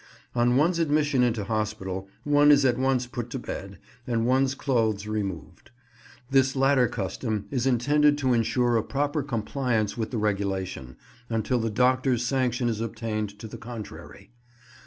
On one's admission into hospital one is at once put to bed, and one's clothes removed. This latter custom is intended to insure a proper compliance with the regulation, until the doctor's sanction is obtained to the contrary.